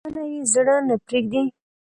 مېلمه پالنه يې زړه نه پرېږدي.